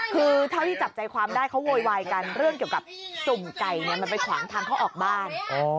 คือเท่าที่จับใจความได้เขาโวยวายกันเรื่องเกี่ยวกับสุ่มไก่มันไปขวางทางเขาออกบ้าน